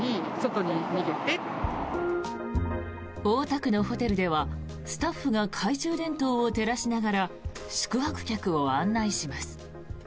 大田区のホテルではスタッフが懐中電灯を照らしながら宿泊客を案内します。